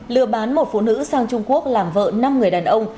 lừa bán một phụ nữ sang trung quốc làm vợ năm người đàn ông